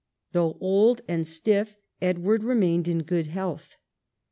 Though old and stiff, Edward remained in good health.